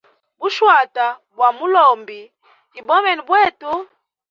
Bu shwata bwa malombi ibomene bwetu.